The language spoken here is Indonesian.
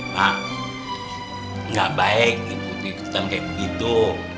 mak gak baik ibu ibu kan kayak begitu